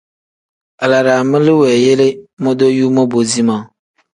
Alaraami li weeyele modoyuu mobo zimaa.